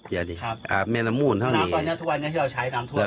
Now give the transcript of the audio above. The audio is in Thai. ครับอาบเมลมูลเท่านี้น้ำตอนเนี้ยทุกวันเนี้ยที่เราใช้น้ำทั่วเนี้ย